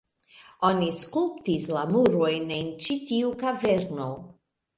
Oni skulptis la murojn en ĉi tiu kaverno